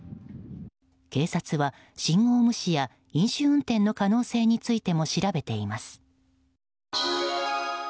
警察は信号無視や飲酒運転の可能性についても調べています。